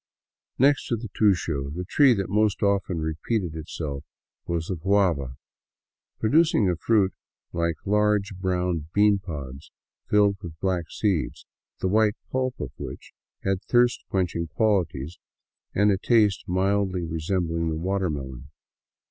Next to the tusho, the tree that most often repeated itself was the guaha, producing a fruit like large brown beanpods filled with black seeds, the white pulp of which had thirst quenching qualities and a taste mildly resembling the water melon.